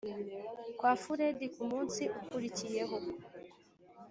kwa furedi kumunsi ukurikiyeho.